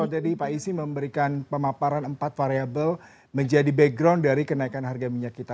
jadi pak isi memberikan pemaparan empat variable menjadi background dari kenaikan harga minyak kita